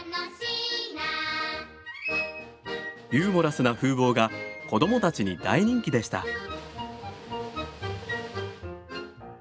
ユーモラスな風貌が子供たちに大人気でした。